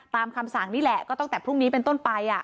คำสั่งนี่แหละก็ตั้งแต่พรุ่งนี้เป็นต้นไป